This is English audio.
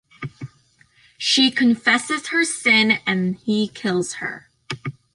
She confesses her sin and he kills her.